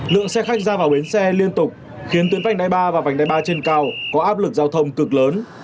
lượng xe khách ra vào bến xe liên tục khiến tuyến vành đai ba và vành đai ba trên cao có áp lực giao thông cực lớn